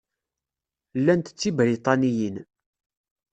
Llant d Tibriṭaniyin.